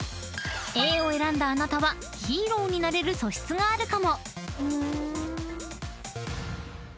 ［Ａを選んだあなたはヒーローになれる素質があるかも］